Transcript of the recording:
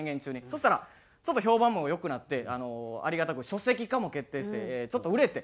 そしたらちょっと評判も良くなってありがたく書籍化も決定してちょっと売れて。